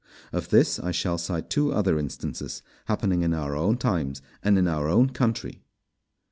Of this I shall cite two other instances happening in our own times, and in our own country.